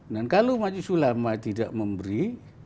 dan kalau maju sulamah tidak memberi